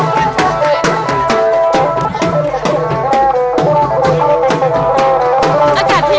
เพื่อรับความรับทราบของคุณ